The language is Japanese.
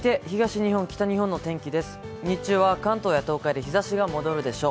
日中は、関東や東海で日ざしが戻るでしょう。